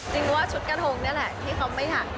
จริงว่าชุดกระทงนี่แหละที่เขาไม่หัก